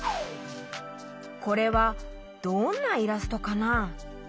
これはどんなイラストかな？